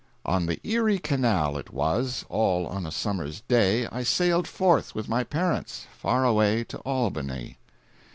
On the Erie Canal, it was, All on a summer's day, I sailed forth with my parents Far away to Albany.